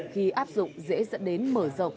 khi áp dụng dễ dẫn đến mở rộng